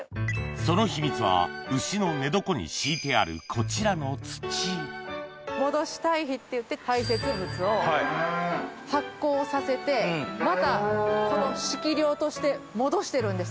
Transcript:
その秘密は牛の寝床に敷いてあるこちらの土戻し堆肥っていって排せつ物を発酵させてまた敷料として戻してるんです。